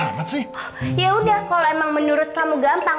ya udah kalau emang menurut kamu gampang